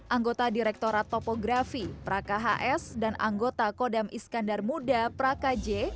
anggota direkturat topografi praka hs dan anggota kodam iskandar muda praka j